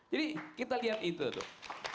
jadi kita lihat itu tuh